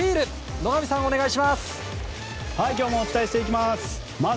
今日もお伝えしていきます。